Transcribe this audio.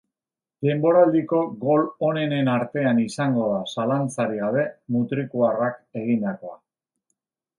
Denboraldiko gol onenen artean izango da, zalantzarik gabe, mutrikuarrak egindakoa.